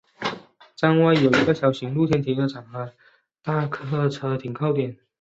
站外有一个小型露天停车场和一处大客车停靠点。